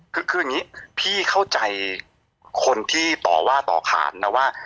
คืออย่างนี้พี่เข้าใจคนที่ต่อว่าต่อขานนะว่า